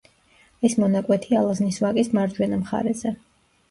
ეს მონაკვეთი ალაზნის ვაკის მარჯვენა მხარეზე.